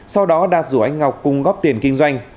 sau đó đạt rủ anh ngọc cùng góp tiền kinh doanh